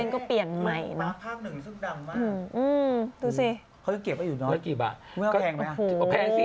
เขายังเก็บไว้อยู่น้อยไม่เอาแพงไหมพอแพงสิ